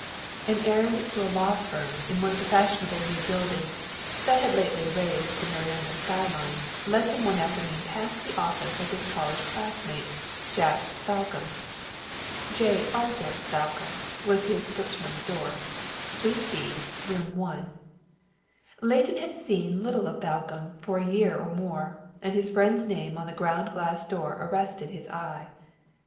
An errand to a law firm in one of the fashionable new buildings that had lately raised the Mariona sky line led him one afternoon past the office of his college classmate, Jack Balcomb. "J. Arthur Balcomb," was the inscription on the door, "Suite B, Room 1." Leighton had seen little of Balcomb for a year or more, and his friend's name on the ground glass door arrested his eye.